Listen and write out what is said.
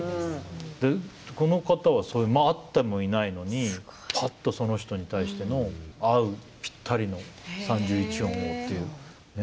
この方は会ってもいないのにぱっとその人に対しての合うぴったりの３１音をっていうね。